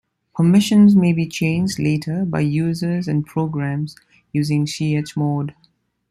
Permissions may be changed later by users and programs using chmod.